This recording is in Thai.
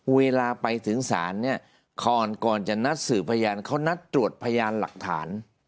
เวลาไปถึงศาลเนี่ยก่อนจะนัดสืบพยานเขานัดตรวจพยานหลักฐาน